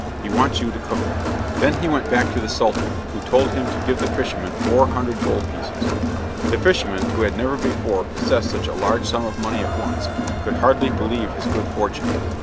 He wants you to cook them." Then he went back to the Sultan, who told him to give the fisherman four hundred gold pieces. The fisherman, who had never before possessed such a large sum of money at once, could hardly believe his good fortune.